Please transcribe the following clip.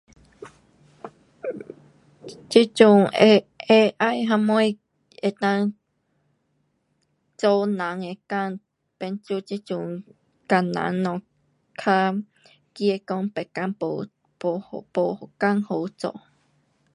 这阵 A,AI 什么能够做人的工，变做这阵工人就较怕讲别天没，没，没工好做。